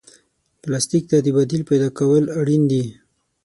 پلاستيک ته د بدیل پیدا کول اړین دي.